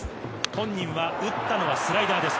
本人は打ったのはスライダーです。